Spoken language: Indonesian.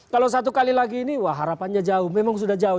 kalau satu kali lagi ini wah harapannya jauh memang sudah jauh